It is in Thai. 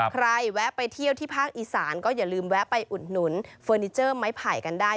แวะไปเที่ยวที่ภาคอีสานก็อย่าลืมแวะไปอุดหนุนเฟอร์นิเจอร์ไม้ไผ่กันได้